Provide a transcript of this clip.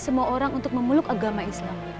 semua orang untuk memeluk agama islam